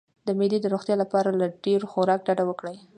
د معدې د روغتیا لپاره له ډیر خوراک ډډه وکړئ